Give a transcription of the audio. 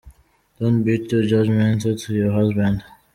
Don’t be too judgmental to your husband.